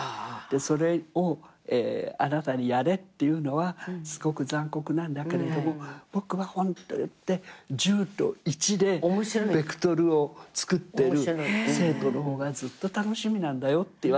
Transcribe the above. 「それをあなたにやれっていうのはすごく残酷なんだけれども僕はホント言って１０と１でベクトルをつくってる生徒の方がずっと楽しみなんだよ」って。